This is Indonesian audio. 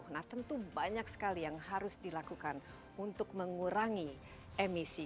nah tentu banyak sekali yang harus dilakukan untuk mengurangi emisi